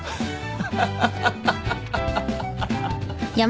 ハハハハハ！